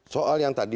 soal yang tadi